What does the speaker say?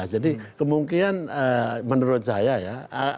jadi kemungkinan menurut saya ya